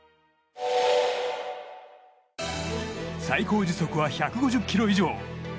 最高時速は１５０キロ以上。